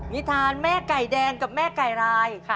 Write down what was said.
นิทานแม่ไก่แดงกับแม่ไก่ราย